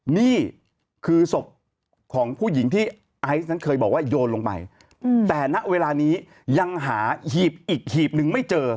นี่คือศพของผู้หญิงที่ไอซ์นั้นเคยบอกว่าโยนลงไปแต่ณเวลานี้ยังหาหีบอีกหีบหนึ่งไม่เจอ